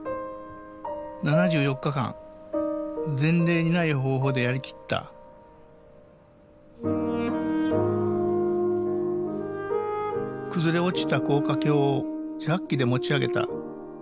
７４日間前例にない方法でやりきった崩れ落ちた高架橋をジャッキで持ち上げた。